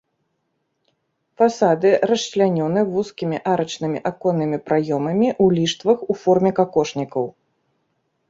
Фасады расчлянёны вузкімі арачнымі аконнымі праёмамі ў ліштвах у форме какошнікаў.